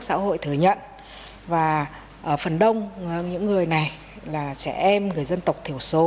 xã hội thừa nhận và ở phần đông những người này là trẻ em người dân tộc thiểu số